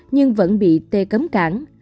nhưng vẫn bị t cấm cản